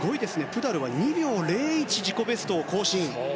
プダルは２秒０１、自己ベストを更新。